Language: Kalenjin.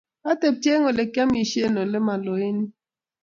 Atepche eng olegiamishen ole maloo eng yuu